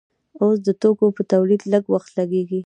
اوس د توکو په تولید لږ وخت لګیږي.